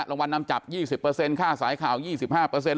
รางวัลนำจับยี่สิบเปอร์เซ็นต์ค่าสายข่าวยี่สิบห้าเปอร์เซ็นต์